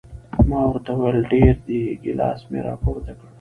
ما ورته وویل ډېر دي، ګیلاس مې را پورته کړ.